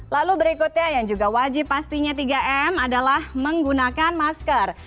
lalu berikutnya yang juga wajib pastinya tiga m adalah menggunakan masker